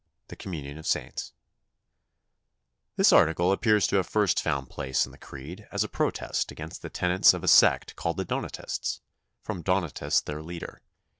THE COMMUNION OF SAINTS This article appears to have first found place in the Creed as a protest against the tenets of a sect called the Donatists, from Donatus their leader.